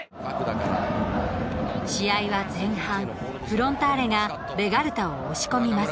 試合は前半、フロンターレがベガルタを押し込みます。